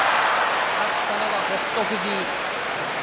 勝ったのは北勝富士です。